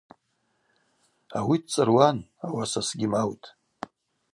Ауи дцӏыруан, ауаса сгьимаутӏ.